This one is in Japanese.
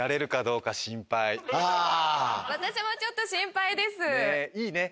私もちょっと心配ですねえ